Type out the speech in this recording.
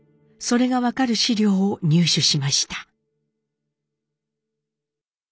それが分かる資料を入手しました。